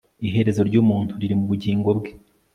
iherezo ry'umuntu riri mu bugingo bwe